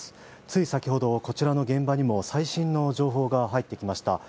つい先ほど、こちらの現場にも最新の情報が入ってきました。